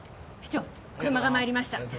市長車がまいりました